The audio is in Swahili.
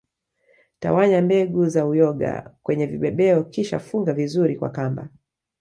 Tawanya mbegu za uyoga kwenye vibebeo kisha funga vizuri kwa kamba